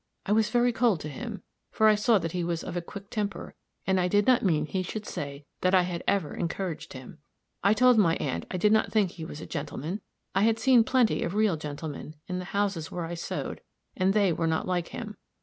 I was very cold to him, for I saw that he was of a quick temper, and I did not mean he should say that I had ever encouraged him. I told my aunt I did not think he was a gentleman I had seen plenty of real gentlemen in the houses where I sewed, and they were not like him.